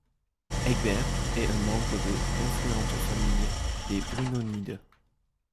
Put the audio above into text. Egbert est un membre de influente famille des Brunonides.